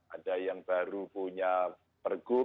ada yang baru punya pergub